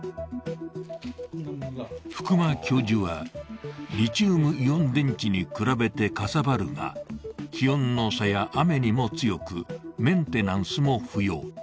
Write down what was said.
福間教授はリチウムイオン電池に比べてかさばるが、気温の差や雨にも強く、メンテナンスも不要。